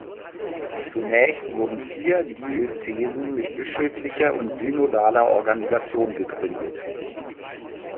Zunächst wurden vier Diözesen mit bischöflicher und synodaler Organisation gegründet.